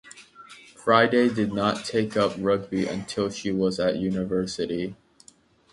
Fryday did not take up rugby until she was at university.